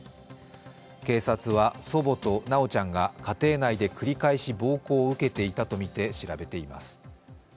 警察は祖母と修ちゃんが家庭内で繰り返し暴行を受けていたとみて調べています。